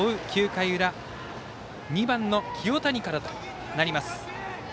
９回裏２番の清谷からとなります。